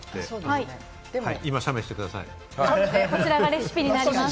こちらがレシピになります。